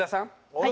はい。